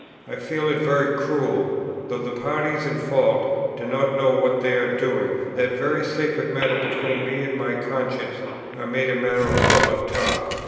I feel it very cruel, though the parties in fault do not know what they are doing, that very sacred matters between me and my conscience are made a matter of public talk.